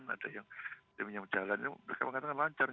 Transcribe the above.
ada yang berjalan mereka mengatakan lancar